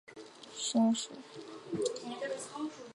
工人革命党是希腊的一个托洛茨基主义政党。